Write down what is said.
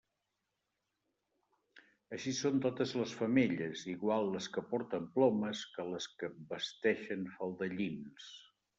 Així són totes les femelles, igual les que porten plomes que les que vesteixen faldellins.